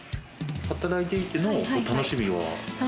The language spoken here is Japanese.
働いていての楽しみは？